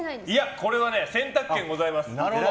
これは選択権ございます。